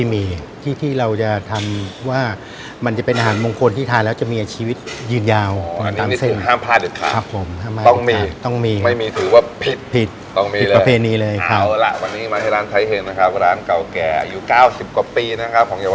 ในเรื่องอาหารที่คนจีนจะให้ขอสำคัญใน